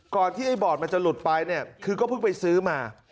ที่ไอ้บอร์ดมันจะหลุดไปเนี่ยคือก็เพิ่งไปซื้อมา